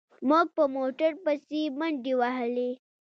موږ په موټر پسې منډې وهلې.